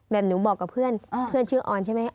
หนูบอกกับเพื่อนเพื่อนชื่อออนใช่ไหม